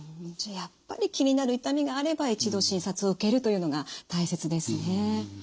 じゃあやっぱり気になる痛みがあれば一度診察を受けるというのが大切ですね。